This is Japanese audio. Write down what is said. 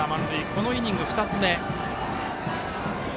このイニング、２つ目。